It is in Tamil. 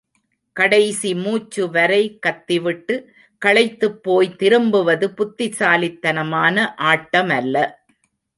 கடைசி மூச்சு வரை கத்திவிட்டு, களைத்துப்போய் திரும்புவது புத்திசாலித்தனமான ஆட்டமல்ல.